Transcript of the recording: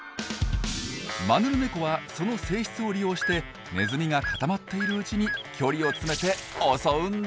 マヌルネコはその性質を利用してネズミが固まっているうちに距離を詰めて襲うんです。